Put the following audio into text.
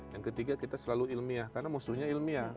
yang ketiga kita selalu ilmiah karena musuhnya ilmiah